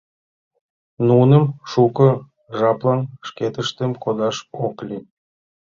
Нуным шуко жаплан шкетыштым кодаш ок лий!